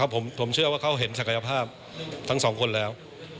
ผมเชื่อว่าเขาเห็นศักยภาพทั้งสองคนแล้ว